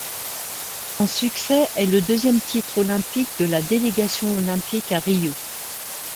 Son succès est le deuxième titre olympique de la délégation olympique à Rio.